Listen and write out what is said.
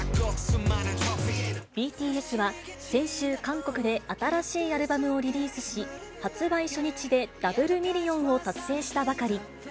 ＢＴＳは、先週、韓国で新しいアルバムをリリースし、発売初日でダブルミリオンを達成したばかり。